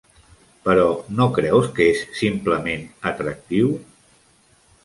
Però no creus que és simplement atractiu?